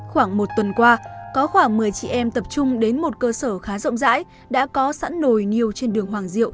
khoảng một tuần qua có khoảng một mươi chị em tập trung đến một cơ sở khá rộng rãi đã có sẵn nồi nhiều trên đường hoàng diệu